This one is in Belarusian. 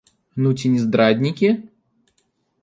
Ну ці не здраднікі?!